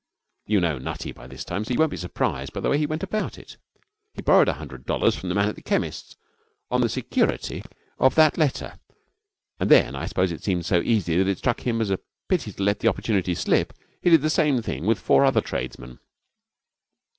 You know Nutty by this time, so you won't be surprised at the way he went about it. He borrowed a hundred dollars from the man at the chemist's on the security of that letter, and then I suppose it seemed so easy that it struck him as a pity to let the opportunity slip he did the same thing with four other tradesmen.